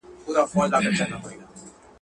ابن رشد د ښځو د خپلواکۍ پلوي وو